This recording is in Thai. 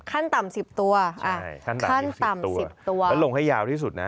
ขั้นต่ำ๑๐ตัวขั้นต่ำขั้นต่ำ๑๐ตัวแล้วลงให้ยาวที่สุดนะ